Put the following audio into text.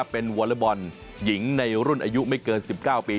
เป็นวอเลอร์บอลหญิงในรุ่นอายุไม่เกิน๑๙ปี